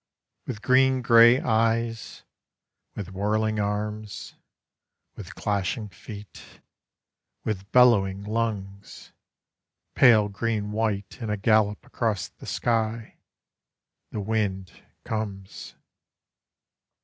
With green grey eyes, With whirling arms, With clashing feet, With bellowing lungs, Pale green white in a gallop across the sky, The wind comes.